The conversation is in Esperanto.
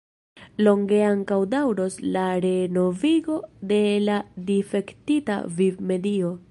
Longe ankaŭ daŭros la renovigo de la difektita vivmedio.